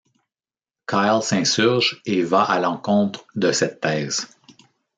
Kyle s'insurge et va à l'encontre de cette thèse.